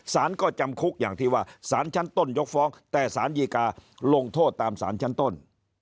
สารก็จำคุกอย่างที่ว่าสารชั้นต้นยกฟ้องแต่สารดีกาลงโทษตามสารชั้นต้น